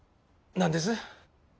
何です？